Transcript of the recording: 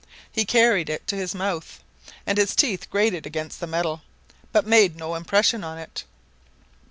He carried it to his mouth, and his teeth grated against the metal, but made no impression on it.